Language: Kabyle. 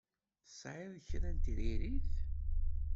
Tesɛiḍ kra n tiririt?